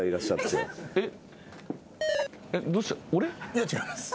いや違います。